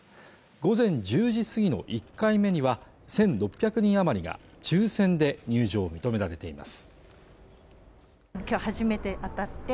午前１０時すぎの１回目には１６００人余りが抽選で入場を認められています。